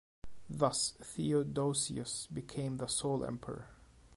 Thus Theodosius became sole Emperor.